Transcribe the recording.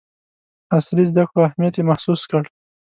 عصري زدکړو اهمیت یې محسوس کړ.